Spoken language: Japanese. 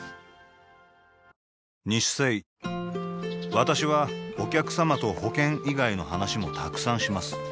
私はお客様と保険以外の話もたくさんします